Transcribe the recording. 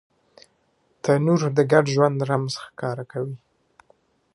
تنور د ګډ ژوند رمز ښکاره کوي